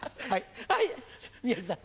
はい宮治さん。